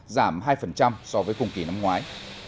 giảm hai so với cùng kỳ năm ngoái